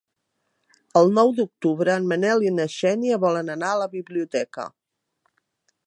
El nou d'octubre en Manel i na Xènia volen anar a la biblioteca.